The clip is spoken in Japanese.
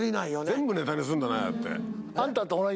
全部ネタにするんだねああやって。